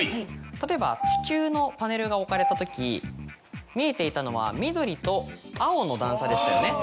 例えば地球のパネルが置かれたとき見えていたのは緑と青の段差でしたよね。